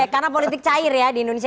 karena politik cair ya di indonesia